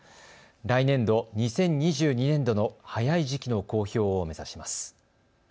来年度、２０２２年度の早い時期の公表を目指します。